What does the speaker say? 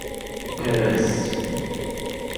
پرس